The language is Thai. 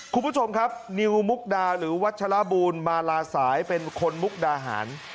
คุณผู้ชมครับนิวมุกดาหรือวัชลบูลมาลาสายเป็นคนมุกดาหาร